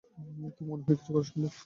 কী মনে হয়, কিছু করা সম্ভব?